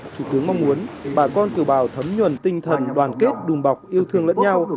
thủ tướng mong muốn bà con kiều bào thấm nhuần tinh thần đoàn kết đùm bọc yêu thương lẫn nhau